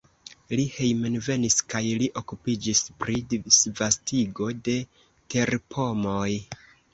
Li hejmenvenis kaj li okupiĝis pri disvastigo de terpomoj.